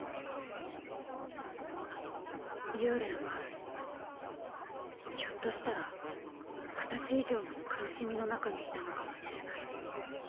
幽連はひょっとしたら私以上の苦しみの中にいたのかもしれない。